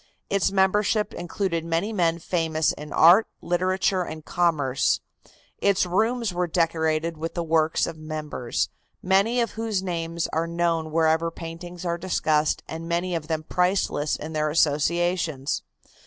Its membership included many men famous in art, literature and commerce. Its rooms were decorated with the works of members, many of whose names are known wherever paintings are discussed and many of them priceless in their associations.